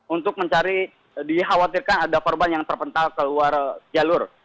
untuk mencari dikhawatirkan ada korban yang terpental keluar jalur